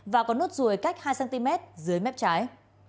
và có nốt ruồi cách hai cm dưới mép trái